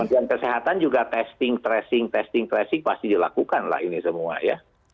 dan kesehatan juga testing tracing testing tracing pasti dilakukan lah ini semua ya